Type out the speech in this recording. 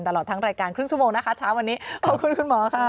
ตลอดทั้งรายการครึ่งชั่วโมงนะคะเช้าวันนี้ขอบคุณคุณหมอค่ะ